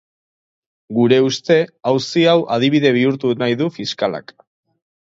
Gure uste, auzi hau adibide bihurtu nahi du fiskalak.